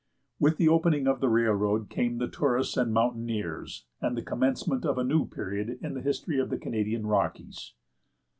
With the opening of the railroad came the tourists and mountaineers, and the commencement of a new period in the history of the Canadian Rockies.